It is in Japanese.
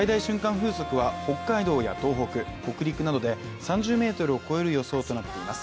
風速は北海道や東北、北陸などで３０ｍを超える予想となっています。